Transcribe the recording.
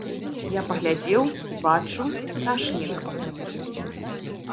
Я паглядзеў, бачу, сашнік.